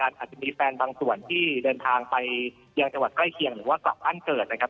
อาจจะมีแฟนบางส่วนที่เดินทางไปยังจังหวัดใกล้เคียงหรือว่ากลับบ้านเกิดนะครับ